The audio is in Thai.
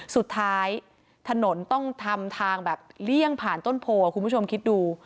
สุดท้ายถนนต้องทำทางแบบเลี่ยงผ่านต้นโพคุณผู้ชมคิดดู